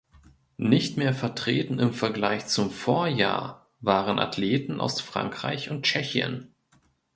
Nicht mehr vertreten im Vergleich zum Vorjahr waren Athleten aus Frankreich und Tschechien.